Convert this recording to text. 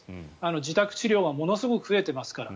自宅治療がものすごく増えていますから。